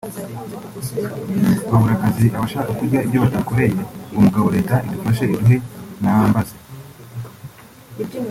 (babura akazi abashska kurya ibyo batakoreye uwo mugabo reta idufashe iduhe nambaze